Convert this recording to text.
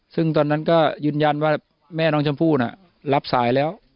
ซึ่งตอนนั้นก็ยืนยันว่าแม่น้องชมพู่น่ะรับสายแล้ว